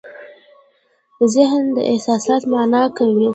ذهن دا احساسات مانا کوي.